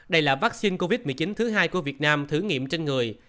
đây là vaccine covid một mươi chín thứ hai của việt nam thử nghiệm trên người